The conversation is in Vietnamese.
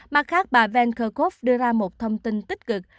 mặt khác bà van kerkhove đưa ra một thông tin tích cực